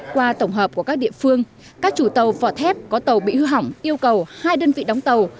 qua tổng hợp của các địa phương các chủ tàu vỏ thép có tàu bị hư hỏng yêu cầu hai đơn vị đóng tàu